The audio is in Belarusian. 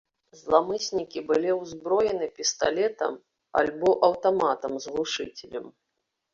Зламыснікі былі ўзброены пісталетам альбо аўтаматам з глушыцелем.